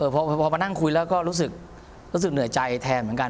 พอมานั่งคุยแล้วก็รู้สึกเหนื่อยใจแทนเหมือนกัน